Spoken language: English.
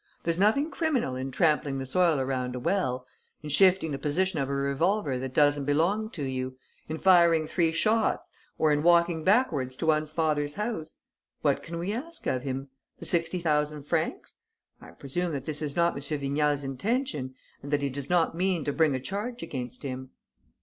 There's nothing criminal in trampling the soil around a well, in shifting the position of a revolver that doesn't belong to you, in firing three shots or in walking backwards to one's father's house. What can we ask of him? The sixty thousand francs? I presume that this is not M. Vignal's intention and that he does not mean to bring a charge against him?"